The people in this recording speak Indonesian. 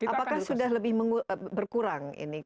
apakah sudah lebih berkurang ini